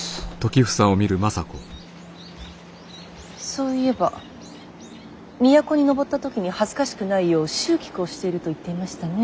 そういえば都に上った時に恥ずかしくないよう蹴鞠をしていると言っていましたね。